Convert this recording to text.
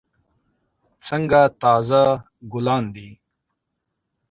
څنګه تازه ګلان دي.